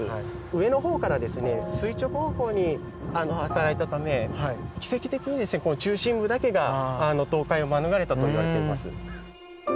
上のほうから垂直方向に働いたため、奇跡的にこの中心部だけが倒壊を免れたといわれています。